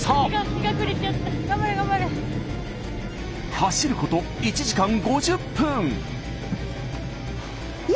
走ること１時間５０分。